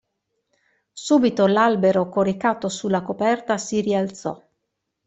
Subito l'albero coricato su la coperta si rialzò.